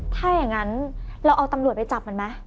ถ้าอย่างนั้นเราเอาตำรวจไปจับมันไหม